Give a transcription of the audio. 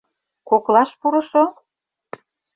Коклаш пурышо?